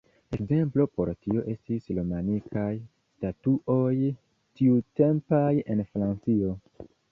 Ekzemplo por tio estis romanikaj statuoj tiutempaj en Francio.